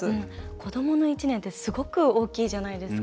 子どもの１年ってすごく大きいじゃないですか。